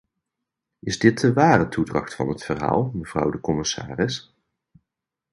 Is dit de ware toedracht van het verhaal, mevrouw de commissaris?